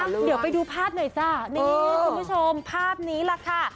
เดี๋ยวไปดูภาพหน่อยจ้ะนี่คุณผู้ชมภาพนี้แหละค่ะ